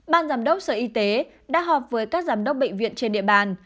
ban giám đốc sở y tế đã họp với các giám đốc bệnh viện trên địa bàn